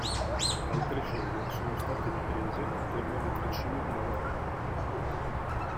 Altre scene sono state riprese attorno alle Tre Cime di Lavaredo.